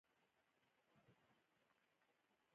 څه مرغان زمانې د تماشو کړل.